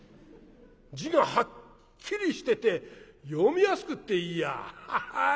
字がはっきりしてて読みやすくていいやハハ。